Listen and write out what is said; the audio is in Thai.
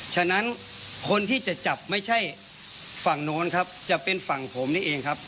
ฉะนั้นคนที่จะจับไม่ใช่ฝั่งโน้นครับจะเป็นฝั่งผมนี่เองครับ